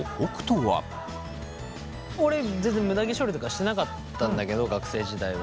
俺全然むだ毛処理とかしてなかったんだけど学生時代は。